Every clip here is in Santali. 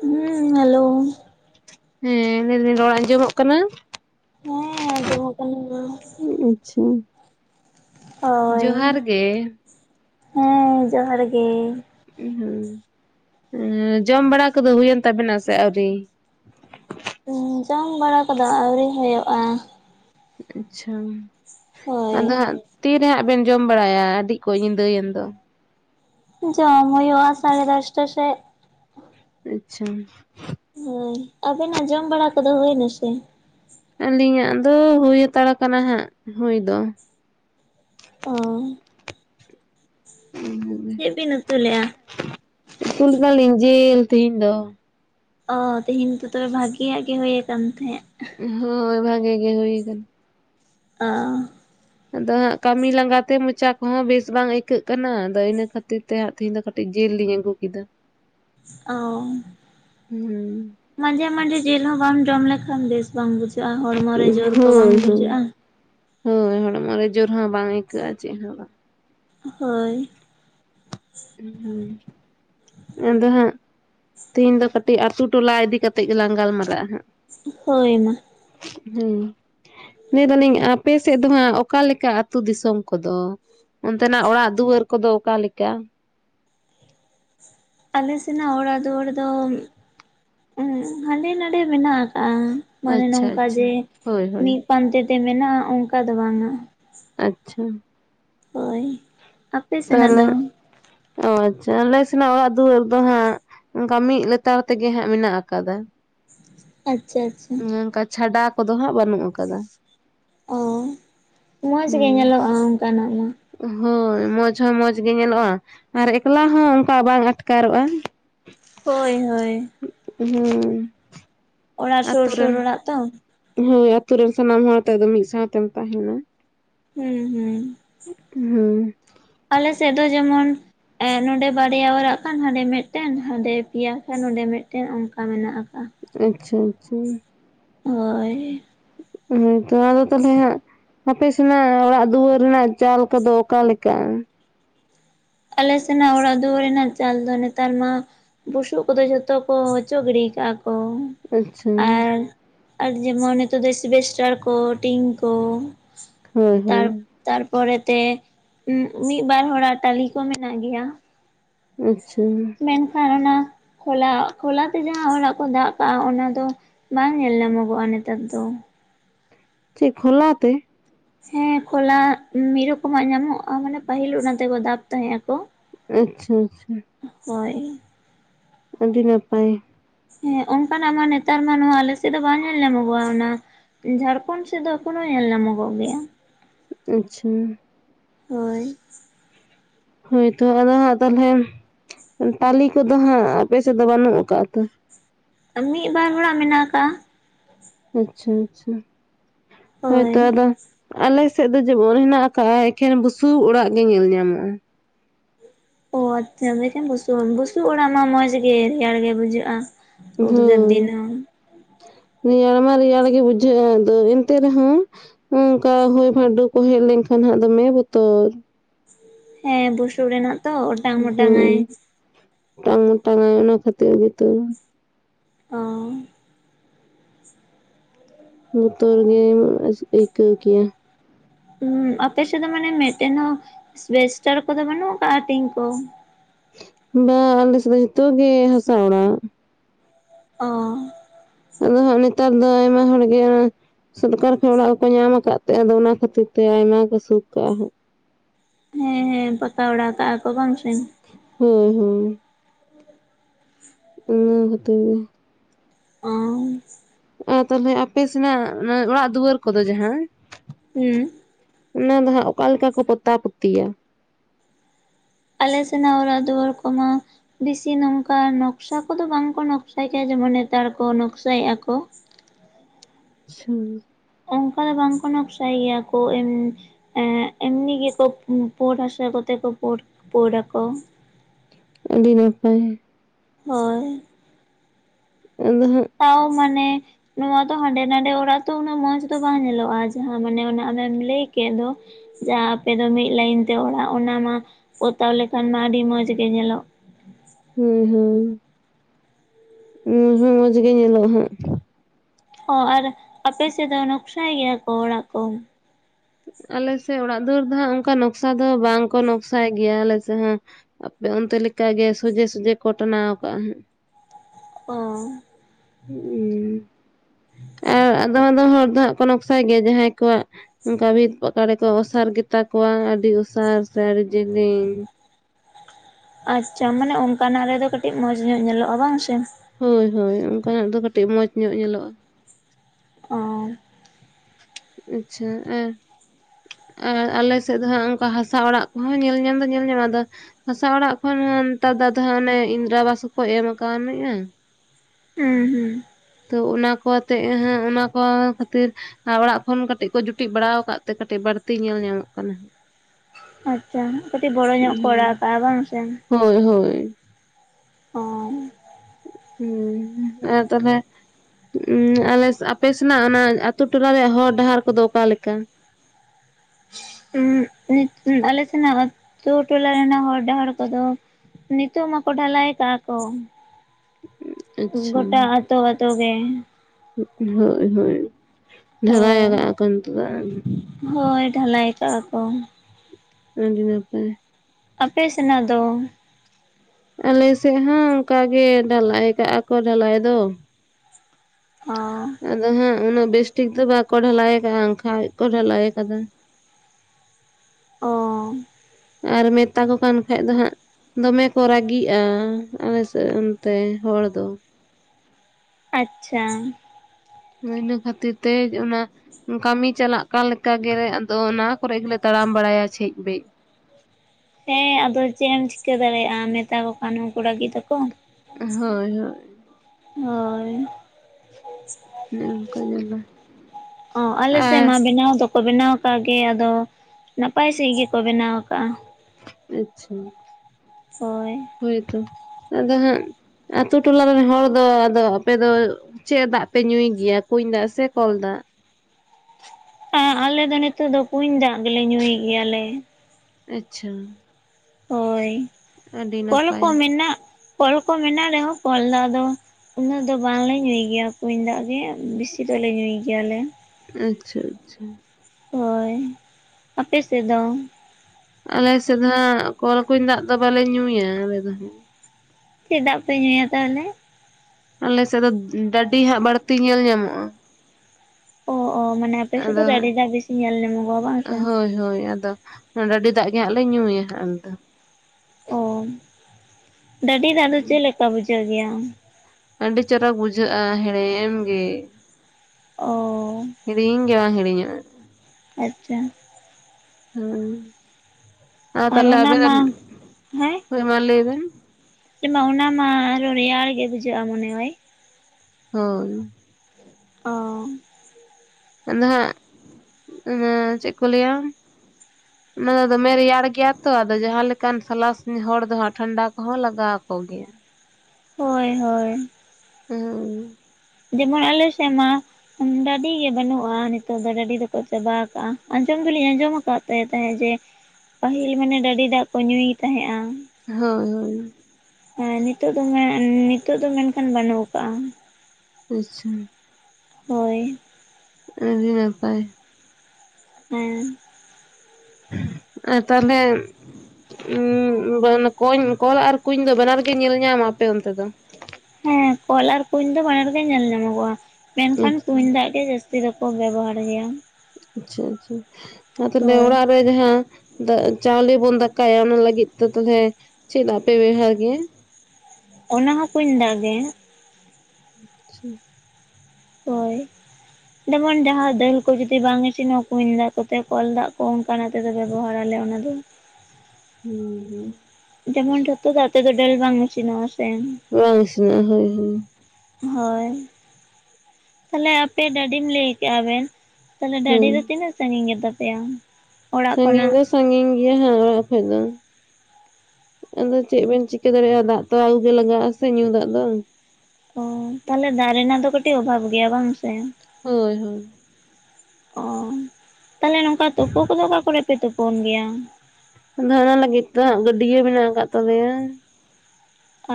ᱦᱩᱸ ᱦᱮᱞᱳ᱾ ᱦᱮᱸ ᱢᱮᱱᱫᱤᱧ ᱨᱚᱲ ᱟᱸᱡᱚᱢᱚᱜ ᱠᱟᱱᱟ? ᱦᱮᱸ ᱟᱸᱡᱚᱢᱚᱜ ᱠᱟᱱᱟ ᱜᱮᱭᱟ᱾ ᱩᱜ ᱟᱪᱪᱷᱟ᱾ ᱡᱚᱦᱟᱨ ᱦᱳᱭ ᱜᱮ ᱦᱮᱸ ᱡᱚᱦᱟᱨ ᱜᱮ᱾ ᱦᱩᱸ ᱡᱚᱢ ᱵᱟᱲᱟ ᱠᱚᱫᱚ ᱦᱩᱭᱮᱱ ᱛᱟᱵᱮᱱᱟ ᱥᱮ ᱟᱹᱣᱨᱤ? ᱡᱚᱢ ᱵᱟᱲᱟ ᱠᱚᱫᱚ ᱟᱹᱣᱨᱤ ᱦᱩᱭᱩᱜᱼᱟ᱾ ᱟᱪᱪᱷᱟ ᱦᱳᱭ ᱟᱫᱚ ᱦᱟᱸᱜ ᱛᱤᱨᱮ ᱦᱟᱸᱜ ᱵᱮᱱ ᱡᱚᱢ ᱵᱟᱲᱟᱭᱟ ᱟᱹᱰᱤ ᱚᱠᱚᱡ ᱧᱤᱫᱟᱹᱭᱮᱱ ᱫᱚ? ᱡᱚᱢ ᱦᱩᱭᱩᱜᱼᱟ ᱥᱟᱲᱮ ᱫᱚᱥᱴᱟ ᱥᱮᱜ᱾ ᱟᱪᱪᱷᱟ᱾ ᱦᱳᱭ ᱟᱵᱮᱱᱟᱜ ᱡᱚᱢ ᱵᱟᱲᱟ ᱠᱚᱫᱚ ᱦᱩᱭᱱᱟᱥᱮ? ᱟᱹᱞᱤᱧᱟᱜ ᱫᱚ ᱦᱩᱭ ᱦᱟᱛᱟᱲᱟ ᱠᱟᱱᱟ ᱦᱟᱸᱜ ᱦᱩᱭ ᱫᱚ᱾ ᱚ ᱦᱩᱸᱜ᱾ ᱪᱮᱫ ᱵᱤᱱ ᱩᱛᱩ ᱞᱮᱜᱼᱟ? ᱩᱛᱩ ᱞᱮᱜᱼᱟ ᱞᱤᱧ ᱡᱮᱞ ᱛᱮᱦᱮᱧ ᱫᱚ ᱾ ᱚ ᱛᱮᱦᱤᱧ ᱫᱚ ᱛᱚᱵᱮ ᱵᱷᱟᱜᱮᱭᱟᱜ ᱜᱮ ᱦᱩᱭ ᱟᱠᱟᱱ ᱛᱟᱦᱮᱸᱫ? ᱦᱳᱭ, ᱵᱷᱟᱜᱮ ᱜᱮ ᱦᱩᱭ ᱟᱠᱟᱱᱟ ᱾ ᱚᱻ ᱟᱫᱚ ᱦᱟᱸᱜ ᱠᱟᱹᱢᱤ ᱞᱟᱸᱜᱟᱛᱮ ᱢᱚᱪᱟ ᱠᱚᱦᱚᱸ ᱵᱮᱥ ᱵᱟᱝ ᱟᱹᱭᱠᱟᱹᱜ ᱠᱟᱱᱟ, ᱟᱫᱚ ᱤᱱᱟᱹ ᱠᱷᱟᱹᱛᱤᱨ ᱛᱮ ᱦᱟᱸᱜ ᱛᱮᱦᱮᱧ ᱫᱚ ᱠᱟᱹᱴᱤᱡ ᱡᱤᱞ ᱞᱤᱧ ᱟᱹᱜᱩ ᱠᱮᱫᱟ ᱾ ᱚ, ᱢᱟᱡᱷᱮ ᱢᱟᱡᱷᱮ ᱡᱤᱞ ᱦᱚᱸ ᱵᱟᱢ ᱡᱚᱢ ᱞᱮᱠᱷᱟᱱ ᱵᱮᱥ ᱵᱟᱝ ᱵᱩᱡᱷᱟᱹᱜᱼᱟ, ᱦᱚᱲᱢᱚᱮ ᱦᱳᱭ ᱡᱳᱨ ᱠᱚ ᱵᱟᱝ ᱦᱳᱭ ᱵᱩᱡᱷᱟᱹᱜᱼᱟ ᱾ ᱦᱳᱭ, ᱦᱚᱲᱢᱚ ᱨᱮ ᱡᱳᱨ ᱦᱚᱸ ᱵᱟᱝ ᱟᱹᱭᱠᱟᱹᱜᱼᱟ ᱪᱮᱫ ᱦᱚᱸ ᱵᱟᱝ ᱾ ᱦᱳᱭ ᱾ ᱦᱻᱦᱩᱸ᱾ ᱟᱫᱚ ᱦᱟᱸᱜ ᱛᱮᱦᱮᱧ ᱫᱚ ᱠᱟᱹᱴᱤᱡ ᱟᱛᱩ ᱴᱚᱞᱟ ᱤᱫᱤ ᱠᱟᱛᱮ ᱜᱮᱞᱟᱝ ᱜᱟᱞᱢᱟᱨᱟᱜᱼᱟ ᱦᱟᱸᱜ ᱾ ᱦᱳᱭ ᱢᱟ ᱾ ᱦᱩᱸ ᱾ ᱞᱟᱹᱭ ᱫᱟᱹᱞᱤᱧ ᱟᱯᱮ ᱥᱮᱫ ᱫᱚ ᱦᱟᱸᱜ ᱚᱠᱟ ᱞᱮᱠᱟ ᱟᱹᱛᱳ ᱫᱤᱥᱚᱢ ᱠᱚᱫᱚ? ᱚᱱᱛᱮ ᱱᱟᱜ ᱚᱲᱟᱜ ᱫᱩᱣᱟᱹᱨ ᱠᱚᱫᱚ ᱚᱠᱟ ᱞᱮᱠᱟ? ᱟᱞᱮ ᱥᱮᱱᱟᱜ ᱚᱲᱟᱜ ᱫᱩᱣᱟᱹᱨ ᱫᱚ, ᱩᱸ ᱦᱟᱸᱰᱮ ᱱᱟᱰᱮ ᱢᱮᱱᱟᱜ ᱟ ᱢᱟᱱᱮ ᱟᱪᱪᱷᱟ ᱱᱚᱝᱠᱟ ᱟᱪᱪᱷᱟ ᱡᱮ, ᱦᱳᱭ ᱦᱳᱭ ᱢᱤᱫ ᱯᱟᱱᱛᱮ ᱛᱮ ᱢᱮᱱᱟᱜᱼᱟ ᱚᱱᱠᱟ ᱫᱚ ᱵᱟᱝ ᱟ ᱾ ᱟᱪᱪᱷᱟ ᱾ ᱦᱳᱭ, ᱟᱯᱮ ᱥᱮᱱᱟᱜ ᱛᱟᱦᱚᱞᱮ ᱫᱚ? ᱚ ᱟᱪᱪᱷᱟ, ᱟᱞᱮ ᱥᱮᱱᱟᱜ ᱚᱲᱟᱜ ᱫᱩᱣᱟᱹᱨ ᱫᱚ ᱦᱟᱸᱜ ᱚᱱᱠᱟ ᱢᱤᱫ ᱞᱮᱛᱟᱲ ᱛᱮᱜᱮ ᱦᱟᱸᱜ ᱢᱮᱱᱟᱜ ᱠᱟᱫᱟ ᱾ ᱟᱪᱪᱷᱟ ᱟᱪᱪᱷᱟ ᱾ ᱚᱱ ᱚᱱᱠᱟ ᱪᱷᱟᱰᱟ ᱠᱚᱫᱚ ᱦᱟᱸᱜ ᱵᱟᱹᱱᱩᱜ ᱠᱟᱫᱟ ᱾ ᱚ, ᱢᱚᱡᱽ ᱜᱮ ᱦᱮᱸ ᱧᱮᱞᱚᱜᱼᱟ ᱚᱱᱠᱟᱱᱟᱜ ᱢᱟ ᱾ ᱦᱳᱭ, ᱢᱚᱡᱽ ᱦᱚᱸ ᱢᱚᱸᱡᱽ ᱜᱮ ᱧᱮᱞᱚᱜᱼᱟ, ᱟᱨ ᱮᱠᱞᱟ ᱦᱚᱸ ᱚᱱᱠᱟ ᱵᱟᱝ ᱟᱴᱠᱟᱨᱚᱜᱼᱟ ᱾ ᱦᱳᱭ ᱦᱳᱭ ᱾ ᱦᱩᱸ ᱾ ᱚᱲᱟᱜ ᱥᱳᱨ ᱥᱳᱨ ᱚᱲᱟᱜ ᱛᱚ ᱾ ᱦᱳᱭ, ᱟᱛᱳ ᱨᱮᱱ ᱥᱟᱱᱟᱢ ᱦᱚᱲ ᱛᱮᱫᱚ ᱢᱤᱫ ᱥᱟᱶᱛᱮᱢ ᱛᱟᱦᱮᱱᱟ ᱾ ᱦᱩᱸ ᱦᱩᱸ ᱾ ᱦᱩᱸ ᱾ ᱟᱞᱮ ᱥᱮᱫ ᱫᱚ ᱡᱮᱢᱚᱱ ᱮᱸ ᱱᱚᱸᱰᱮ ᱵᱟᱨᱭᱟ ᱚᱲᱟᱜ ᱠᱷᱟᱱ ᱦᱟᱸᱰᱮ ᱢᱤᱫᱴᱮᱱ ᱦᱟᱸᱰᱮ ᱯᱮᱭᱟ ᱠᱷᱟᱱ ᱱᱚᱰᱮ ᱢᱤᱫᱴᱮᱱ ᱚᱱᱠᱟ ᱢᱮᱱᱟᱜ ᱟᱠᱟᱜᱼᱟ ᱾ ᱟᱪᱪᱷᱟ ᱟᱪᱪᱷᱟ ᱾ ᱦᱳᱭ ᱾ ᱦᱳᱭᱛᱚ ᱟᱫᱚ ᱛᱟᱦᱚᱞᱮ ᱦᱟᱸᱜ ᱟᱯᱮ ᱥᱮᱱᱟᱜ ᱚᱲᱟᱜ ᱫᱩᱣᱟᱹᱨ ᱨᱮᱱᱟᱜ ᱪᱟᱞ ᱠᱚᱫᱚ ᱚᱠᱟ ᱞᱮᱠᱟ? ᱟᱞᱮ ᱥᱮᱱᱟᱜ ᱚᱲᱟᱜ ᱫᱩᱣᱟᱹᱨ ᱨᱮᱱᱟᱜ ᱪᱟᱞ ᱫᱚ ᱱᱮᱛᱟᱨ ᱢᱟ ᱵᱩᱥᱩᱵ ᱠᱚᱫᱚ ᱡᱷᱚᱛᱚ ᱠᱚ ᱚᱪᱚ ᱜᱤᱰᱤ ᱠᱟᱜᱼᱟ ᱠᱚ ᱟᱪᱪᱷᱟ ᱟᱨ ᱟᱨ ᱡᱮᱢᱚᱱ ᱱᱤᱛᱚᱜ ᱫᱚ ᱮᱥᱵᱮᱥᱴᱟᱨ ᱠᱚ, ᱴᱤᱝ ᱠᱚ᱾ ᱦᱳᱭ ᱛᱟᱨ ᱦᱳᱭ ᱾ ᱛᱟᱨᱯᱚᱨᱮ ᱛᱮ, ᱩᱸ ᱢᱤᱫ ᱵᱟᱨ ᱦᱚᱲᱟᱜ ᱴᱟᱞᱤ ᱠᱚ ᱢᱮᱱᱟᱜ ᱜᱮᱭᱟ ᱾ ᱟᱪᱪᱷᱟ ᱾ ᱢᱮᱱᱠᱷᱟᱱ ᱚᱱᱟ, ᱠᱷᱚᱞᱟ ᱠᱷᱚᱞᱟᱛᱮ ᱡᱟᱦᱟᱸ ᱚᱲᱟᱜ ᱠᱚ ᱫᱟᱵ ᱠᱟᱜᱼᱟ ᱚᱱᱟ ᱫᱚ ᱵᱟᱝ ᱧᱮᱞ ᱧᱟᱢᱚᱜᱚᱜᱼᱟ ᱱᱮᱛᱟᱨ ᱫᱚ ᱾ ᱪᱮᱜ ᱠᱷᱳᱞᱟ ᱛᱮ? ᱦᱮᱸ, ᱠᱷᱚᱞᱟ ᱢᱤᱫ ᱨᱚᱠᱚᱢᱟᱜ ᱧᱟᱢᱚᱜᱼᱟ, ᱢᱟᱱᱮ ᱯᱟᱹᱦᱤᱞ ᱚᱱᱟ ᱛᱮᱠᱚ ᱫᱟᱵ ᱛᱟᱦᱮᱸᱜ ᱟᱠᱚ ᱾ ᱟᱪᱪᱷᱟ ᱟᱪᱪᱷᱟ ᱾ ᱦᱳᱭ ᱟᱹᱰᱤ ᱱᱟᱯᱟᱭ ᱦᱮᱸ ᱚᱱᱠᱟᱱᱟᱜ ᱢᱟ ᱱᱮᱛᱟᱨ ᱢᱟ ᱱᱚᱣᱟ ᱟᱞᱮ ᱥᱮᱫ ᱫᱚ ᱵᱟᱝ ᱧᱮᱞ ᱧᱟᱢᱚᱜᱚᱜᱼᱟ ᱚᱱᱟ ᱡᱷᱟᱲᱠᱷᱚᱱᱰ ᱥᱮᱫ ᱫᱚ ᱮᱠᱷᱚᱱᱚ ᱧᱮᱞ ᱧᱟᱢᱚᱜᱚᱜ ᱜᱮᱭᱟ᱾ ᱟᱪᱪᱷᱟ᱾ ᱦᱳᱭ᱾ ᱦᱳᱭᱛᱚ ᱟᱫᱚ ᱦᱟᱸᱜ ᱛᱟᱞᱦᱮ, ᱴᱟᱞᱤ ᱠᱚᱫᱚ ᱦᱟᱸᱜ ᱟᱯᱮ ᱥᱮᱫ ᱫᱚ ᱵᱟᱹᱱᱩᱜ ᱟᱠᱟᱫᱟ ᱛᱚ᱾ ᱢᱤᱫ ᱵᱟᱨ ᱦᱚᱲᱟᱜ ᱢᱮᱱᱟᱜ ᱟᱠᱟᱜᱼᱟ᱾ ᱟᱪᱪᱷᱟ ᱟᱪᱪᱷᱟ, ᱦᱳᱭ ᱦᱳᱭᱛᱚ ᱟᱫᱚ ᱟᱞᱮ ᱥᱮᱫ ᱫᱚ ᱡᱮᱢᱚᱱ ᱦᱮᱱᱟᱜ ᱟᱠᱟᱟᱜᱼᱟ, ᱮᱠᱷᱮᱱ ᱵᱩᱥᱩᱵ ᱚᱲᱟᱜ ᱜᱮ ᱧᱮᱞ ᱧᱟᱢᱚᱜᱼᱟ᱾ ᱚ ᱟᱪᱪᱷᱟ ᱢᱮᱱᱠᱷᱟᱱ ᱵᱩᱥᱩᱵ ᱵᱩᱥᱩᱵ ᱚᱲᱟᱜ ᱢᱟ ᱢᱚᱸᱡᱽ ᱜᱮ ᱨᱮᱭᱟᱲ ᱜᱮ ᱵᱩᱡᱷᱟᱹᱜᱼᱟ᱾ ᱩᱫᱽᱜᱟᱹᱨ ᱦᱮᱸ ᱫᱤᱱ ᱦᱚᱸ ᱨᱮᱭᱟᱲ ᱢᱟ ᱨᱮᱭᱟᱲ ᱜᱮ ᱵᱩᱡᱷᱟᱹᱜᱼᱟ ᱟᱫᱚ ᱮᱱᱛᱮ ᱨᱮᱦᱚᱸ ᱚᱝᱠᱟ ᱦᱚᱭ ᱵᱷᱟᱨᱰᱩ ᱠᱚ ᱦᱮᱡ ᱞᱮᱱᱠᱷᱟᱱ ᱦᱟᱸᱜ ᱫᱚᱢᱮ ᱵᱚᱛᱚᱨ᱾ ᱦᱮᱸ ᱵᱩᱥᱩᱵ ᱨᱮᱱᱟᱜ ᱛᱚ ᱚᱴᱟᱝ ᱢᱚᱴᱟᱝ ᱦᱩᱸ ᱟᱭ ᱚᱴᱟᱝ ᱚᱴᱟᱝ ᱟᱭ ᱚᱱᱟ ᱠᱷᱟᱹᱛᱤᱨ ᱜᱮᱛᱚ ᱦᱚᱸᱻ ᱵᱚᱛᱚᱨ ᱜᱮᱢ ᱟᱹᱭᱠᱟᱹᱣ ᱠᱮᱭᱟ ᱟᱯᱮ ᱥᱮᱫ ᱫᱚ ᱢᱟᱱᱮ ᱢᱤᱫᱴᱮᱱ ᱦᱚᱸ ᱤᱥᱵᱮᱥᱴᱟᱨ ᱠᱚᱫᱚ ᱵᱟᱹᱱᱩᱜ ᱟᱠᱟᱜᱼᱟ ᱴᱤᱱ ᱠᱚᱼᱼ ᱵᱟᱝ ᱟᱞᱮᱥᱮᱫ ᱫᱚ ᱡᱷᱚᱛᱚ ᱜᱮ ᱦᱟᱥᱟ ᱚᱲᱟᱜ ᱚᱻ ᱟᱫᱚ ᱦᱟᱸᱜ ᱱᱮᱛᱟᱨ ᱫᱚ ᱟᱭᱢᱟ ᱦᱚᱲᱜᱮ ᱥᱚᱨᱠᱟᱨ ᱠᱷᱚᱡ ᱚᱲᱟᱜ ᱠᱚᱠᱚ ᱧᱟᱢ ᱟᱠᱟᱫ ᱛᱮ ᱟᱫᱚ ᱚᱱᱟ ᱠᱷᱟᱹᱛᱤᱨ ᱛᱮ ᱟᱭᱢᱟ ᱠᱚ ᱥᱩᱠ ᱟᱠᱟᱜᱼᱟ ᱦᱟᱸᱜ᱾ ᱦᱮᱸ ᱦᱮᱸ ᱯᱟᱠᱟ ᱚᱲᱟᱜ ᱟᱠᱟᱫ ᱟᱠᱚ ᱵᱟᱝ ᱥᱮ ᱦᱚᱭ ᱦᱩᱸ ᱚᱱᱟ ᱦᱟᱹᱛᱤᱧ ᱢᱮ ᱟᱸᱩᱹᱥ ᱟᱨ ᱛᱟᱦᱞᱮ ᱟᱯᱮ ᱥᱮᱱᱟᱜ ᱚᱲᱟᱜ ᱫᱩᱣᱟᱹᱨ ᱠᱚᱫᱚ ᱡᱟᱦᱟᱸ ᱦᱩᱸ ᱚᱱᱟ ᱫᱚ ᱦᱟᱸᱜ ᱚᱠᱟ ᱞᱮᱠᱟ ᱠᱚ ᱯᱚᱛᱟ ᱯᱚᱛᱤᱭᱟ ᱟᱞᱮ ᱥᱮᱱᱟᱜ ᱚᱲᱟᱜ ᱫᱩᱣᱟᱹᱨ ᱠᱚᱢᱟ ᱵᱮᱥᱤ ᱱᱚᱝᱠᱟ ᱱᱚᱠᱥᱟ ᱠᱚᱫᱚ ᱵᱟᱝᱠᱚ ᱱᱚᱠᱥᱟᱭ ᱜᱮᱭᱟ ᱡᱮᱢᱚᱱ ᱱᱮᱛᱟᱨ ᱠᱚ ᱱᱚᱠᱥᱟᱭᱮᱫᱼᱟ ᱠᱚ ᱟᱪᱪᱷᱟ ᱚᱱᱠᱟ ᱫᱚ ᱵᱟᱝᱠᱚ ᱱᱚᱠᱥᱟᱭ ᱜᱮᱭᱟ ᱠᱚ ᱮᱢ- [inaudible] ᱮᱸᱻ ᱮᱢᱱᱤ ᱜᱮᱠᱚ ᱯᱩᱸᱰ ᱦᱟᱥᱟ ᱠᱚᱛᱮ ᱠᱚ ᱯᱳᱸᱰ ᱯᱳᱰ ᱟᱠᱚ᱾ ᱟᱹᱰᱤ ᱱᱟᱯᱟᱭ ᱦᱳᱭ ᱟᱫᱚ ᱦᱟᱸᱜ ᱛᱟᱣ ᱢᱟᱱᱮ ᱱᱚᱣᱟ ᱫᱚ ᱦᱟᱸᱰᱮ ᱱᱟᱰᱮ ᱚᱲᱟᱜ ᱛᱚ ᱩᱱᱟᱹᱜ ᱢᱚᱸᱡᱽ ᱫᱚ ᱵᱟᱝ ᱧᱮᱞᱚᱜᱼᱟ ᱡᱟᱦᱟᱸ ᱢᱟᱱᱮ ᱚᱱᱮ ᱟᱢᱮᱢ ᱞᱟᱹᱭ ᱠᱮᱫ ᱫᱚ ᱡᱟᱦᱟᱸ ᱟᱯᱮ ᱫᱚ ᱢᱤᱫ ᱞᱟᱭᱤᱱ ᱛᱮ ᱚᱲᱟᱜ ᱚᱱᱟ ᱢᱟ ᱯᱚᱛᱟᱣ ᱞᱮᱠᱷᱟᱱ ᱢᱟ ᱟᱹᱰᱤ ᱢᱚᱡᱽ ᱜᱮ ᱧᱮᱞᱚᱜ᱾ ᱦᱮᱸ ᱦᱚᱭ ᱦᱚᱸ ᱢᱚᱸᱡᱽ ᱜᱮ ᱧᱮᱞᱚᱜᱼᱟ ᱦᱟᱸᱜ ᱾ ᱚ ᱟᱨ ᱟᱯᱮ ᱥᱮᱫ ᱫᱚ ᱱᱚᱠᱥᱟᱭ ᱜᱮᱭᱟ ᱠᱚ ᱚᱲᱟᱜ ᱠᱚ? ᱟᱞᱮᱥᱮᱫ ᱚᱲᱟᱜ ᱫᱩᱣᱟᱹᱨ ᱫᱚ ᱦᱟᱸᱜ ᱚᱱᱠᱟ ᱱᱚᱠᱥᱟ ᱫᱚ ᱵᱟᱝ ᱠᱚ ᱱᱚᱠᱥᱟᱭ ᱜᱮᱭᱟ ᱟᱞᱮᱥᱮᱜ ᱦᱚᱸ, ᱟᱯᱮ ᱚᱱᱛᱮ ᱞᱮᱠᱟᱜᱮ ᱥᱚᱡᱷᱮ ᱥᱚᱡᱷᱮ ᱠᱚ ᱴᱟᱱᱟᱣ ᱠᱟᱜᱼᱟ ᱦᱟᱸᱜ᱾ ᱚᱻ ᱦᱩᱸᱻᱟᱨ ᱟᱫᱚᱢ ᱟᱫᱚᱢ ᱦᱚᱲ ᱫᱚ ᱦᱟᱸᱜ ᱠᱚ ᱱᱚᱠᱥᱟᱭ ᱜᱮᱭᱟ ᱡᱟᱦᱟᱸᱭ ᱠᱚᱣᱟᱜ ᱚᱱᱠᱟ ᱵᱷᱤᱛ ᱚᱠᱟᱨᱮᱠᱚ [unintelligible] ᱚᱥᱟᱨ ᱜᱮ ᱛᱟᱠᱚᱣᱟ ᱟᱹᱰᱤ ᱚᱥᱟᱨ ᱥᱮ ᱟᱹᱰᱤ ᱡᱮᱞᱮᱧ ᱟᱪᱪᱷᱟ ᱢᱟᱱᱮ ᱚᱱᱠᱟᱱᱟᱜ ᱨᱮᱫᱚ ᱠᱟᱹᱴᱤᱡ ᱢᱚᱸᱡᱽ ᱧᱚᱜ ᱧᱮᱞᱚᱜᱼᱟ ᱵᱟᱝ ᱥᱮ ᱦᱳᱭ ᱦᱳᱭ ᱚᱱᱠᱟᱱᱟᱜ ᱫᱚ ᱠᱟᱹᱴᱤᱡ ᱢᱚᱡᱽ ᱧᱚᱜ ᱧᱮᱞᱚᱜᱼᱟ᱾ ᱚᱸ ᱟᱪᱪᱷᱟ ᱟᱨ ᱟᱨ ᱟᱞᱮ ᱥᱮᱫ ᱫᱚ ᱦᱟᱸᱜ ᱚᱱᱠᱟ ᱦᱟᱥᱟ ᱚᱲᱟᱜ ᱠᱚᱦᱚᱸ ᱧᱮᱞ ᱧᱟᱢ ᱫᱚ ᱧᱮᱞ ᱧᱟᱢᱚᱼᱟ ᱟᱫᱚ ᱦᱟᱥᱟ ᱚᱲᱟᱜ ᱠᱷᱚᱱ ᱦᱚᱸ ᱱᱮᱛᱟᱨ ᱫᱚ ᱟᱫᱚ ᱦᱟᱜ ᱚᱱᱮ ᱤᱱᱫᱨᱟ ᱵᱟᱥ ᱦᱚᱸᱠᱚ ᱮᱢ ᱟᱠᱣᱟᱱᱮᱜᱼᱟ ᱦᱩᱸ ᱦᱩᱸ ᱛᱚ ᱚᱱᱟ ᱠᱚ ᱟᱛᱮᱜ ᱦᱟᱜ ᱚᱱᱟ ᱠᱚ ᱠᱷᱟᱹᱛᱤᱨ ᱟᱸᱼ ᱚᱲᱟᱜ ᱠᱷᱚᱱ ᱠᱟᱹᱴᱤᱡ ᱠᱚ ᱡᱩᱴᱤᱜ ᱵᱟᱲᱟ ᱠᱟᱜ ᱛᱮ ᱠᱟᱹᱴᱤᱡ ᱵᱟᱹᱲᱛᱤ ᱧᱮᱞ ᱧᱟᱢᱚᱜ ᱠᱟᱱᱟ ᱾ ᱟᱪᱪᱷᱟ ᱠᱟᱹᱴᱤᱡ ᱵᱚᱲᱚ ᱧᱚᱜ ᱠᱚ ᱟᱲᱟᱜ ᱟᱠᱟᱫᱼᱟ ᱵᱟᱝ ᱥᱮ ᱾ ᱦᱳᱭ ᱦᱳᱭ ᱚᱻ ᱦᱩᱸ ᱟᱨ ᱛᱟᱦᱚᱞᱮᱼᱼ ᱩᱸᱻ ᱟᱞᱮ ᱟᱯᱮ ᱥᱮᱱᱟᱜ ᱚᱱᱟ ᱟᱹᱛᱩ ᱴᱚᱞᱟ ᱨᱮᱭᱟᱜ ᱦᱚᱨ ᱰᱟᱦᱟᱨ ᱠᱚᱫᱚ ᱚᱠᱟ ᱞᱮᱠᱟ? [unintelligible] ᱦᱮᱸ ᱟᱞᱮ ᱥᱮᱱᱟᱜ ᱟᱹᱛᱩ ᱴᱚᱞᱟ ᱨᱮᱱᱟᱜ ᱦᱚᱨ ᱰᱟᱦᱟᱨ ᱠᱚᱫᱚ, ᱱᱤᱛᱛᱩᱜ ᱢᱟᱠᱚ ᱴᱷᱟᱞᱟᱭ ᱟᱠᱟᱫᱼᱟ ᱟᱠᱚ ᱾ ᱟᱪᱪᱷᱟ ᱜᱳᱴᱟ ᱟᱛᱳ ᱚᱛᱳ ᱜᱮ ᱾ ᱦᱳᱭ ᱦᱳᱭ ᱦᱳᱭ ᱰᱟᱜᱟᱭᱟᱜᱟᱜ ᱠᱟᱜ ᱱᱤᱛᱚᱜ ᱫᱚ ᱦᱳᱭ ᱰᱷᱟᱞᱟᱭ ᱠᱟᱜᱼᱟ ᱠᱚ ᱾ ᱟᱹᱰᱤ ᱱᱟᱯᱟᱭ ᱟᱯᱮ ᱥᱮᱱᱟᱜ ᱫᱚ? ᱟᱞᱮ ᱥᱮᱫ ᱦᱚᱸ ᱚᱱᱠᱟ ᱜᱮ ᱰᱷᱟᱞᱟᱭ ᱠᱟᱜᱼᱟ ᱠᱚ ᱰᱷᱟᱞᱟᱭ ᱫᱚ ᱾ ᱚ ᱾ ᱟᱫᱚ ᱦᱟᱸᱜ ᱩᱱᱟᱹᱜ ᱵᱮᱥᱴᱷᱤᱠ ᱫᱚ ᱵᱟᱠᱚ ᱰᱷᱟᱞᱟᱭ ᱟᱠᱟᱫᱟᱼᱟ ᱟᱠᱷᱟᱡ ᱠᱚ ᱰᱷᱟᱞᱟᱭ ᱟᱠᱟᱫᱟ [inaudible] ᱚ ᱾ ᱟᱨ ᱢᱮᱛᱟ ᱠᱚ ᱠᱟᱱ ᱠᱷᱟᱡ ᱫᱚ ᱦᱟᱸᱜ ᱫᱚᱢᱮ ᱠᱚ ᱨᱟᱹᱜᱤᱜᱼᱟ, ᱟᱞᱮ ᱥᱮᱫ ᱚᱱᱛᱮ ᱦᱚᱲ ᱫᱚ ᱾ ᱟᱪᱪᱷᱟ ᱾ ᱤᱱᱟᱹ ᱠᱷᱟᱹᱛᱤᱨ ᱛᱮ ᱚᱱᱟ ᱠᱟᱹᱢᱤ ᱪᱟᱞᱟᱜ ᱠᱟᱱ ᱞᱮᱠᱟ ᱜᱮᱞᱮ ᱟᱫᱚ ᱚᱱᱟ ᱠᱚᱨᱮ ᱜᱮᱞᱮ ᱛᱟᱲᱟᱢ ᱵᱟᱲᱟᱭᱟ ᱪᱷᱮᱡ ᱵᱮᱡ ᱾ ᱦᱮᱸ ᱟᱫᱚ ᱪᱮᱫ ᱮᱢ ᱪᱤᱠᱟᱹ ᱫᱟᱲᱮᱭᱟᱜᱼᱟ ᱢᱮᱛᱟ ᱠᱚ ᱠᱷᱟᱱ ᱩᱱᱠᱩ ᱨᱟᱹᱜᱤ ᱫᱚ ᱠᱚ ᱾ ᱦᱳᱭ ᱦᱳᱭ ᱾ ᱦᱳᱭ ᱚᱱᱮ ᱚᱱᱠᱟ ᱡᱟᱞᱟ ᱾ ᱚ ᱟᱞᱮ ᱥᱮᱫ ᱟᱨ ᱢᱟ ᱵᱮᱱᱟᱣ ᱫᱚ ᱠᱚ ᱵᱮᱱᱟᱣ ᱠᱟᱜ ᱜᱮ, ᱟᱫᱚ ᱱᱟᱯᱟᱭ ᱥᱟᱦᱤᱡ ᱜᱮᱠᱚ ᱵᱮᱱᱟᱣ ᱟᱠᱟᱜᱼᱟ ᱾ ᱟᱪᱪᱷᱟ ᱾ ᱦᱚᱭ ᱾ ᱦᱳᱭᱛᱚ, ᱟᱫᱚ ᱦᱟᱸᱜ ᱟᱛᱳ ᱴᱚᱞᱟ ᱨᱮᱱ ᱦᱚᱲ ᱫᱚ ᱟᱫᱚ ᱟᱯᱮ ᱫᱚ ᱪᱮᱫ ᱫᱟᱜ ᱯᱮ ᱧᱩᱭ ᱜᱮᱭᱟ ᱠᱩᱧ ᱫᱟᱜ ᱥᱮ, ᱠᱚᱞ ᱫᱟᱜ? ᱦᱮᱸ ᱟᱞᱮ ᱫᱚ ᱱᱤᱛᱚᱜ ᱫᱚ ᱠᱩᱧ ᱫᱟᱜ ᱜᱮᱞᱮ ᱧᱩᱭ ᱜᱮᱭᱟᱞᱮ ᱾ ᱟᱪᱪᱷᱟ ᱾ ᱦᱳᱭ, ᱠᱚᱞ ᱠᱚ ᱱᱟᱯᱟᱭ ᱢᱮᱱᱟᱜ ᱠᱚᱞ ᱠᱚ ᱢᱮᱱᱟᱜ ᱨᱮᱦᱚᱸ ᱠᱚᱞ ᱫᱚ ᱟᱫᱚ ᱩᱱᱟᱹᱜ ᱫᱚ ᱵᱟᱝᱞᱮ ᱧᱩᱭ ᱜᱮᱭᱟ ᱠᱩᱧ ᱫᱟᱜ ᱜᱮ ᱵᱤᱥᱤ ᱫᱚᱞᱮ ᱧᱩᱭ ᱜᱮᱭᱟᱞᱮ ᱾ ᱟᱪᱪᱷᱟ ᱟᱪᱪᱷᱟ ᱾ ᱦᱳᱭ, ᱟᱯᱮ ᱥᱮᱫ ᱫᱚ? ᱟᱞᱮᱥᱮᱫ ᱫᱚ ᱦᱟᱸᱜ ᱠᱚᱞ ᱠᱩᱧ ᱫᱟᱜ ᱫᱚ ᱵᱟᱞᱮ ᱧᱩᱭᱟ ᱟᱞᱮ ᱫᱚ ᱦᱟᱸᱜ ᱾ ᱪᱮᱫ ᱫᱟᱜ ᱯᱮ ᱧᱩᱭᱟ ᱛᱟᱦᱚᱞᱮ? ᱟᱞᱮᱥᱮᱫ ᱫᱚ ᱰᱟᱹᱰᱤ ᱦᱟᱸᱜ ᱵᱟᱹᱲᱛᱤ ᱧᱮᱞ ᱧᱟᱢᱚᱜᱼᱟ ᱾ ᱚ ᱚ ᱢᱟᱱᱮ ᱟᱯᱮ ᱥᱮᱫ ᱫᱚ ᱟᱫᱚ ᱰᱟᱹᱰᱤ ᱫᱟᱜ ᱵᱮᱥᱤ ᱧᱮᱞ ᱧᱟᱢᱚᱜᱚᱜᱼᱟ ᱵᱟᱝ ᱥᱮ? ᱦᱳᱭ ᱦᱳᱭ, ᱟᱫᱚ ᱰᱟᱹᱰᱤ ᱫᱟᱜ ᱜᱮ ᱦᱟᱸᱜ ᱞᱮ ᱧᱩᱭᱟ ᱟᱫᱚ ᱚ, ᱰᱟᱹᱰᱤ ᱫᱟᱜ ᱫᱚ ᱪᱮᱫ ᱞᱮᱠᱟ ᱵᱩᱡᱷᱟᱹᱜ ᱜᱮᱭᱟ? ᱟᱹᱰᱤ ᱪᱚᱨᱚᱠ ᱵᱩᱡᱷᱟᱹᱜᱼᱟ ᱦᱮᱲᱮᱢ ᱜᱮ ᱾ ᱚ ᱾ ᱦᱤᱲᱤᱧ ᱜᱮ ᱵᱟᱝ ᱦᱤᱲᱤᱧ ᱧᱚᱜ-ᱟ ᱾ ᱟᱪᱪᱷᱟ ᱾ ᱦᱩᱸ, ᱟ ᱟᱨ ᱛᱟᱦᱞᱮ ᱚᱱᱟ ᱢᱟ ᱟᱵᱮᱱ, ᱦᱮᱸ ᱦᱳᱭ ᱢᱟ ᱞᱟᱹᱭ ᱵᱮᱱ ᱾ [unintelligible] ᱚᱱᱟ ᱢᱟ ᱟᱨᱚ ᱨᱮᱭᱟᱲ ᱜᱮ ᱵᱩᱡᱷᱟᱹᱜᱼᱟ ᱢᱚᱱᱮ ᱦᱚᱭ? ᱦᱳᱭ ᱾ ᱚ ᱾ ᱟᱫᱚ ᱦᱟᱸᱜ ᱚᱱᱮ ᱪᱮᱫ ᱠᱚ ᱞᱟᱹᱭᱟ ᱚᱱᱟ ᱫᱚᱢᱮ ᱨᱮᱭᱟᱲ ᱜᱮᱭᱟ ᱛᱚ, ᱟᱫᱚ ᱡᱟᱦᱟᱸ ᱞᱮᱠᱟᱱ ᱥᱟᱞᱟᱥ ᱦᱚᱲ ᱫᱚ ᱦᱟᱸᱜ ᱴᱷᱟᱱᱰᱟ ᱠᱚᱦᱚᱸ ᱞᱟᱜᱟᱣ ᱟᱠᱚ ᱜᱮᱭᱟ ᱾ ᱦᱳᱭ ᱦᱳᱭ ᱾ ᱦᱩᱸ ᱾ ᱡᱮᱢᱚᱱ ᱟᱞᱮ ᱥᱮᱜ ᱢᱟ ᱰᱟᱹᱰᱤ ᱜᱮ ᱵᱟᱹᱱᱩᱜᱼᱟ ᱱᱤᱛᱚᱜ ᱫᱚ ᱰᱟᱹᱰᱤ ᱫᱚᱠᱚ ᱪᱟᱵᱟ ᱠᱟᱜᱼᱟ, ᱟᱸᱡᱚᱢ ᱫᱚᱞᱤᱧ ᱟᱸᱡᱚᱢ ᱟᱠᱟᱫ ᱛᱟᱦᱮᱸ ᱛᱟᱦᱮᱸᱜ ᱡᱮ ᱯᱟᱹᱦᱤᱞ ᱢᱟᱱᱮ ᱰᱟᱹᱰᱤ ᱫᱟᱜ ᱠᱚ ᱧᱩᱭᱮ ᱛᱟᱦᱮᱸᱜᱼᱟ ᱾ ᱦᱳᱭ ᱦᱳᱭ ᱾ ᱦᱮᱸ ᱱᱤᱛᱚᱜ ᱫᱚ ᱱᱤᱛᱚᱜ ᱫᱚ ᱢᱮᱱ ᱠᱷᱟᱱ ᱵᱟᱹᱱᱩᱜ ᱠᱟᱜ -ᱟ ᱾ ᱟᱪᱪᱷᱟ᱾ ᱦᱳᱭ᱾ ᱟᱹᱰᱤ ᱱᱟᱯᱟᱭ ᱦᱮᱸ ᱟᱨ ᱛᱟᱦᱚᱞᱮ [unintelligible] ᱠᱚᱧ ᱠᱚᱞ ᱟᱨ ᱠᱩᱧ ᱫᱚ ᱵᱟᱱᱟᱨ ᱜᱮ ᱧᱮᱞ ᱧᱟᱢᱟ ᱟᱯᱮ ᱚᱱᱛᱮ ᱫᱚ᱾ ᱦᱮᱸ ᱠᱚᱞ ᱟᱨ ᱠᱩᱧ ᱫᱚ ᱵᱟᱱᱟᱨ ᱜᱮ ᱧᱮᱞ ᱧᱟᱢᱚᱜᱚᱜᱼᱟ᱾ ᱢᱮᱱᱠᱷᱟᱱ ᱟᱪᱪᱷᱟ ᱠᱩᱧ ᱫᱟᱜ ᱜᱮ ᱡᱟᱹᱥ ᱛᱤ ᱫᱚᱠᱚ ᱵᱮᱵᱚᱦᱟᱨ ᱜᱮᱭᱟ᱾ ᱟᱪᱪᱷᱟ ᱟᱪᱪᱷᱟ ᱟᱨ ᱛᱟᱦᱚᱞᱮ ᱦᱳᱭ ᱚᱲᱟᱜ ᱨᱮ ᱡᱟᱦᱟᱸ ᱪᱟᱣᱞᱮ ᱵᱚᱱ ᱫᱟᱠᱟᱭᱟ, ᱚᱱᱟ ᱞᱟᱹᱜᱤᱫ ᱛᱮ ᱛᱟᱦᱚᱞᱮ ᱪᱮ ᱫᱟᱜ ᱯᱮ ᱵᱮᱣᱦᱟᱨ ᱜᱮᱭᱟ? ᱚᱱᱟ ᱦᱚᱸ ᱠᱩᱧ ᱫᱟᱜ ᱜᱮ᱾ ᱟᱪᱪᱷᱟ᱾ ᱦᱳᱭ᱾ ᱡᱮᱢᱚᱱ ᱡᱟᱦᱟᱸ ᱫᱟᱹᱞ ᱠᱚ ᱡᱩᱫᱤ ᱵᱟᱝ ᱤᱥᱤᱱᱚᱜ ᱠᱩᱧ ᱫᱟᱜ ᱠᱚᱛᱮ ᱠᱚᱞ ᱫᱟᱜ ᱠᱚ ᱚᱱᱠᱟᱱᱟᱜ [unintelligible] ᱵᱮᱵᱚᱦᱟᱨ ᱟᱞᱮ ᱚᱱᱟ ᱫᱚ᱾ ᱦᱩᱸ ᱦᱩᱸ ᱡᱮᱢᱚᱱ ᱡᱷᱚᱛᱚ ᱫᱟᱜ ᱛᱮᱫᱚ ᱫᱟᱹᱞ ᱵᱟᱝ ᱤᱥᱤᱱᱚᱜ-ᱟ ᱥᱮ? ᱵᱟᱝ ᱩᱥᱤᱱᱚᱜᱼᱟ ᱦᱳᱭ ᱦᱳᱭ ᱾ ᱦᱳᱭ ᱛᱟᱦᱚᱞᱮ ᱟᱯᱮ ᱰᱟᱹᱰᱤᱢ ᱞᱟᱹᱭ ᱠᱮᱭᱟ ᱵᱮᱱ ᱛᱟᱦᱚᱞᱮ ᱰᱟᱹᱰᱤ ᱦᱮᱸ ᱫᱚ ᱛᱤᱱᱟᱹᱜ ᱥᱟᱺᱜᱤᱧ ᱜᱮᱛᱟ ᱯᱮᱭᱟ? ᱥᱟᱺᱜᱤᱧ ᱫᱚ ᱥᱟᱺᱜᱤᱧ ᱜᱮᱭᱟ ᱦᱟᱸᱜ ᱚᱲᱟᱜ ᱠᱷᱚᱡ ᱫᱚ ᱾ ᱟᱫᱚ ᱪᱮᱫ ᱵᱮᱱ ᱪᱤᱠᱟᱹ ᱫᱟᱲᱮᱭᱟᱜᱼᱟ, ᱫᱟᱜ ᱛᱚ ᱟᱹᱜᱩ ᱜᱮ ᱞᱟᱜᱟᱜᱼᱟ ᱥᱮ ᱧᱩ ᱫᱟᱜ ᱫᱚ᱾ ᱚ ᱛᱟᱦᱚᱞᱮ ᱫᱟᱜ ᱨᱮᱱᱟᱜ ᱫᱚ ᱠᱟᱹᱴᱤᱡ ᱚᱵᱷᱟᱵ ᱜᱮᱭᱟ ᱵᱟᱝ ᱥᱮ? ᱦᱳᱭ ᱦᱳᱭ᱾ ᱚ ᱛᱟᱦᱚᱞᱮ ᱱᱚᱝᱠᱟ ᱛᱳᱯᱳ ᱠᱚᱫᱚ ᱚᱠᱟ ᱠᱚᱨᱮ ᱯᱮ ᱛᱩᱯᱳᱱ ᱜᱮᱭᱟ? ᱟᱫᱚ ᱚᱱᱟ ᱞᱟᱹᱜᱤᱫ ᱛᱚ ᱦᱟᱸᱜ ᱜᱟᱹᱰᱭᱟᱹ ᱢᱮᱱᱟᱜ ᱠᱟᱜ ᱛᱟᱞᱮᱭᱟ᱾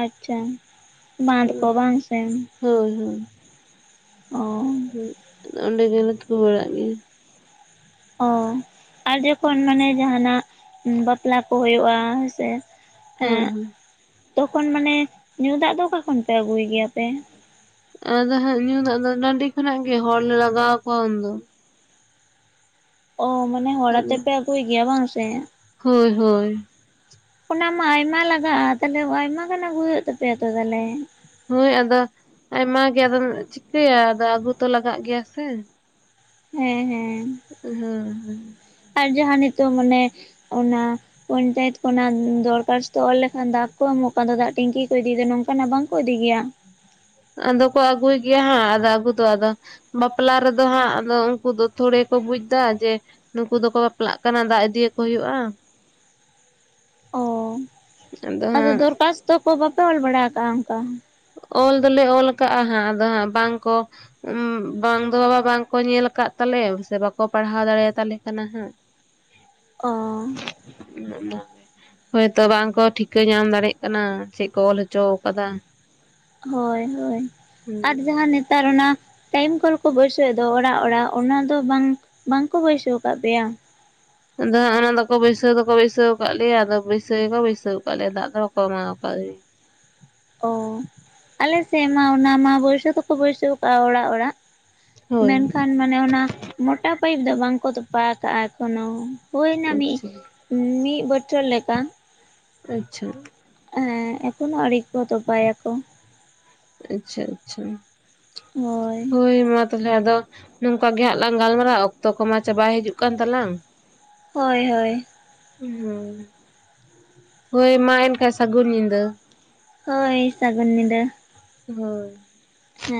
ᱟᱪᱪᱷᱟ ᱵᱟᱸᱫᱽ ᱠᱚ ᱵᱟᱝ ᱥᱮ? ᱦᱳᱭ ᱦᱳᱭ᱾ ᱚ ᱦᱳᱭ ᱚᱸᱰᱮ ᱜᱮᱞᱮ ᱛᱩᱯᱩ ᱵᱟᱲᱟᱜ ᱜᱮᱭᱟ᱾ ᱚ ᱟᱨ ᱡᱚᱠᱷᱚᱱ ᱢᱟᱱᱮ ᱡᱟᱦᱟᱱᱟᱜ ᱵᱟᱯᱞᱟ ᱠᱚ ᱦᱩᱭᱩᱜᱼᱟ᱾ ᱦᱳᱭ ᱥᱮ ᱦᱳᱭ ᱮᱸᱜ ᱦᱳᱭ᱾ ᱛᱚᱠᱷᱚᱱ ᱢᱟᱱᱮ ᱧᱩ ᱫᱟᱜ ᱫᱚ ᱚᱠᱟ ᱠᱷᱚᱱ ᱯᱮ ᱟᱹᱜᱩᱭ ᱜᱮᱭᱟ ᱯᱮ? ᱟᱫᱚ ᱦᱟᱸᱜ ᱧᱩ ᱫᱟᱜ ᱫᱚ ᱴᱟᱰᱤ ᱠᱷᱚᱱᱟᱜ ᱜᱮ, ᱦᱚᱲ ᱞᱮ ᱞᱟᱜᱟᱣ ᱠᱚᱣᱟ ᱩᱱᱫᱚ᱾ ᱚ ᱢᱟᱱᱮ ᱦᱚᱲ ᱠᱷᱟᱡ ᱫᱚ᱾ ᱟᱛᱮᱯᱮ ᱟᱹᱜᱩᱭ ᱜᱮᱭᱟ ᱵᱟᱝ ᱥᱮ? ᱦᱳᱭ ᱦᱳᱭ᱾ ᱚᱱᱟ ᱢᱟ ᱟᱭᱢᱟ ᱞᱟᱜᱟᱜᱼᱟ, ᱛᱟᱦᱚᱞᱮ ᱟᱭᱢᱟ ᱜᱟᱱ ᱟᱹᱜᱩᱭ ᱦᱩᱭᱩᱜ ᱛᱟᱯᱮᱭᱟ ᱛᱚ ᱛᱟᱦᱚᱞᱮ ᱦᱳᱭ ᱟᱫᱚ ᱟᱭᱢᱟ ᱜᱮ ᱟᱫᱚᱢ ᱪᱤᱠᱟᱹᱭᱟ, ᱟᱫᱚ ᱟᱹᱜᱩ ᱛᱚ ᱞᱟᱜᱟᱜ ᱜᱮᱭᱟ ᱥᱮ? ᱦᱮᱸ ᱦᱮᱸ ᱾ ᱦᱩᱸ ᱟᱨ ᱡᱟᱦᱟᱸ ᱱᱤᱛᱚᱜ ᱢᱟᱱᱮ ᱚᱱᱟ ᱯᱚᱧᱪᱟᱭᱮᱛ ᱠᱷᱚᱱᱟᱜ ᱫᱚᱨᱠᱷᱟᱥᱛᱚ ᱚᱞ ᱞᱮᱠᱷᱟᱱ ᱫᱟᱜ ᱠᱚ ᱮᱢᱚᱜ ᱠᱷᱟᱱ ᱫᱚ, ᱫᱟᱜ ᱴᱮᱝᱠᱤ ᱠᱚ ᱤᱫᱤᱭ ᱫᱟ ᱱᱚᱝᱠᱟᱱᱟᱜ ᱵᱟᱝᱠᱚ ᱤᱫᱤᱭ ᱜᱮᱭᱟ? ᱟᱫᱚ ᱠᱚ ᱟᱹᱜᱩᱭ ᱜᱮᱭᱟ ᱦᱟᱸᱜ ᱟᱫᱚ ᱟᱹᱜᱩ ᱫᱚ ᱟᱫᱚ ᱵᱟᱯᱞᱟ ᱨᱮᱫᱚ ᱦᱟᱸᱜ ᱟᱫᱚ ᱩᱱᱠᱩ ᱫᱚ ᱛᱷᱚᱲᱮ ᱠᱚ ᱵᱩᱡ ᱫᱟ ᱡᱮ ᱱᱩᱠᱩ ᱫᱚᱠᱚ ᱵᱟᱯᱞᱟᱜ ᱠᱟᱱᱟ ᱫᱟᱜ ᱤᱫᱤᱭᱟᱠᱚ ᱦᱩᱭᱩᱜᱼᱟ᱾ ᱚ ᱟᱫᱚ ᱫᱚᱨᱠᱟᱷᱟᱥᱛᱚ ᱠᱚ ᱵᱟᱯᱮ ᱚᱞ ᱵᱟᱲᱟ ᱠᱟᱜᱼᱟ ᱚᱱᱠᱟ ᱚᱞ ᱫᱚᱞᱮ ᱚᱞ ᱠᱟᱜᱼᱟ ᱦᱟᱸᱜ ᱟᱫᱚ ᱦᱟᱸᱜ ᱵᱟᱝ ᱠᱚ ᱩᱸ ᱵᱟᱝ ᱫᱚ ᱵᱟᱵᱟ ᱵᱟᱝ ᱠᱚ ᱧᱮᱞ ᱟᱠᱟᱫ ᱛᱟᱞᱮ ᱥᱮ ᱵᱟᱠᱚ ᱯᱟᱲᱦᱟᱣ ᱫᱟᱲᱮ ᱟᱛᱟᱞᱮ ᱠᱟᱱᱟ ᱦᱟᱸᱜ [inaudible] ᱚ [unintelligible] ᱦᱳᱭᱛᱚ ᱵᱟᱝᱠᱚ ᱴᱷᱤᱠᱟᱹ ᱧᱟᱢ ᱫᱟᱲᱮᱭᱟᱜ ᱠᱟᱱᱟ ᱪᱮᱜ ᱠᱚ ᱚᱞ ᱦᱚᱪᱚ ᱠᱟᱫᱟ᱾ ᱦᱳᱭ ᱦᱳᱭ ᱟᱨ ᱦᱩᱸ ᱡᱟᱦᱟᱸ ᱱᱮᱛᱟᱨ ᱚᱱᱟ ᱴᱟᱭᱤᱢ ᱠᱚᱞ ᱠᱚ ᱵᱟᱹᱭᱥᱟᱹᱣ ᱫᱚ ᱚᱲᱟᱜ ᱚᱲᱟᱜ ᱚᱱᱟ ᱫᱚ ᱵᱟᱝ ᱵᱟᱝᱠᱚ ᱵᱟᱹᱭᱥᱟᱹᱣ ᱠᱟᱜ ᱯᱮᱭᱟ? ᱟᱫᱚ ᱦᱟᱸᱜ ᱚᱱᱟ ᱫᱚᱠᱚ ᱵᱟᱹᱭᱥᱟᱹᱣ ᱫᱚᱠᱚ ᱵᱟᱹᱭᱥᱟᱹᱣ ᱠᱟᱜ ᱞᱮᱭᱟ ᱟᱫᱚ ᱵᱟᱹᱭᱥᱟᱹᱣ ᱜᱮᱠᱚ ᱵᱟᱹᱭᱥᱟᱹᱣ ᱠᱟᱜ ᱞᱮᱭᱟ ᱫᱟᱜ ᱫᱚ ᱵᱟᱠᱚ ᱮᱢᱟᱶ ᱠᱟᱜ ᱞᱮᱭᱟ᱾ ᱚ ᱟᱞᱮ ᱥᱮᱫ ᱢᱟ ᱚᱱᱟ ᱢᱟ ᱵᱟᱹᱭᱥᱟᱹ ᱛᱮᱠᱚ ᱵᱟᱹᱭᱥᱟᱹᱣ ᱟᱠᱟᱟᱜᱼᱟ ᱚᱲᱟᱜ ᱚᱲᱟᱜ᱾ ᱦᱳᱭ ᱢᱮᱱᱠᱷᱟᱱ ᱢᱟᱱᱮ ᱚᱱᱟ ᱢᱳᱴᱟ ᱯᱟᱭᱤᱯ ᱫᱚ ᱵᱟᱝᱠᱚ ᱛᱚᱯᱟ ᱠᱟᱜᱼᱟ ᱮᱠᱷᱚᱱᱚ ᱾ ᱦᱳᱭ ᱱᱟ ᱢᱤᱜ ᱟᱪᱪᱷᱟ ᱢᱤᱜ ᱵᱚᱴᱷᱚᱞ ᱞᱮᱠᱟ᱾ ᱟᱪᱪᱷᱟ ᱦᱮᱸ ᱮᱠᱷᱚᱱᱚ ᱟᱹᱲᱤ ᱠᱚ ᱛᱚᱵᱟᱭᱟᱠᱚ᱾ ᱟᱪᱪᱷᱟ ᱟᱪᱪᱷᱟ ᱦᱳᱭ ᱢᱟ ᱛᱟᱦᱚᱞᱮ ᱟᱫᱚ ᱱᱚᱝᱠᱟ ᱜᱮ ᱦᱟᱸᱜ ᱞᱟᱝ ᱜᱟᱞᱢᱟᱨᱟᱼᱟ ᱚᱠᱛᱚ ᱠᱚᱢᱟ ᱪᱟᱵᱟᱭ ᱦᱤᱡᱩᱜ ᱠᱟᱱ ᱛᱟᱞᱟᱝ᱾ ᱦᱳᱭ ᱦᱳᱭ ᱦᱩᱸ ᱦᱳᱭ ᱢᱟ ᱮᱱᱠᱷᱟᱱ ᱥᱟᱹᱜᱩᱱ ᱧᱤᱫᱟᱹ᱾ ᱦᱳᱭ ᱥᱟᱹᱜᱩᱱ ᱧᱤᱫᱟᱹ᱾ ᱦᱳᱭ